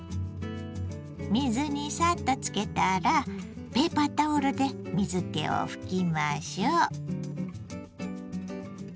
水にサッとつけたらペーパータオルで水けを拭きましょう。